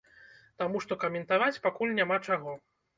Таму што каментаваць пакуль няма чаго.